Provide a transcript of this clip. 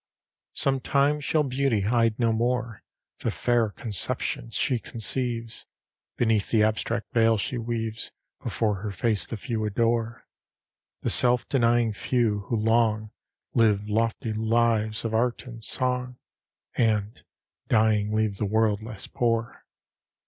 LV Sometime shall Beauty hide no more The fair conceptions she conceives Beneath the abstract veil she weaves Before her face the few adore; The self denying few, who long Live lofty lives of art and song, And, dying, leave the world less poor.